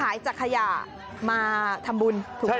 หายจากขยะมาทำบุญถูกไหม